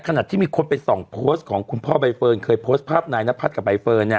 ขณะที่มีคนไปส่องโพสต์ของคุณพ่อใบเฟิร์นเคยโพสต์ภาพนายนพัฒน์กับใบเฟิร์นเนี่ย